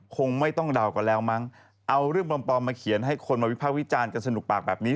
คงไม่ต้องเดากันแล้วมั้งเอาเรื่องปลอมมาเขียนให้คนมาวิภาควิจารณ์กันสนุกปากแบบนี้